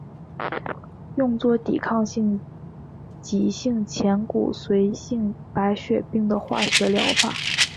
用作抵抗性急性前骨髓性白血病的化学疗法。